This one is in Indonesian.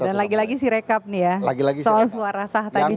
dan lagi lagi sirekap nih ya soal suara sah tadi juga ya